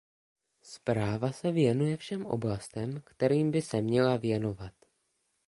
Zpráva se věnuje všem oblastem, kterým by se měla věnovat.